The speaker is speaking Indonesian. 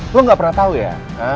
lo gak pernah tau ya